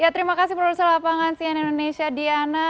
terima kasih produser lapangan sian indonesia diana